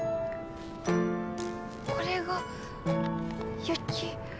これが雪。